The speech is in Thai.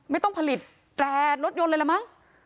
ไม่ต้องผลิตแตรรถยนต์เลยละมั้ง